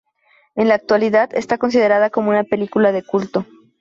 En la actualidad esta considerada como una película de culto.